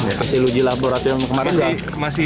masih luji laboratorium kemarin ya